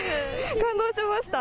感動しました？